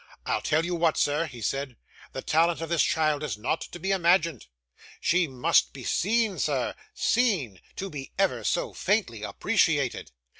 'I'll tell you what, sir,' he said; 'the talent of this child is not to be imagined. She must be seen, sir seen to be ever so faintly appreciated.